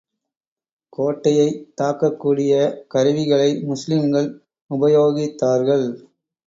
கோட்டையைத் தாக்கக் கூடிய கருவிகளை முஸ்லிம்கள் உபயோகித்தார்கள்.